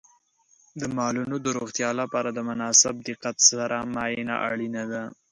د مالونو د روغتیا لپاره د مناسب دقت سره معاینه اړینه ده.